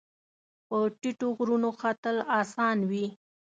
په ټیټو غرونو ختل اسان وي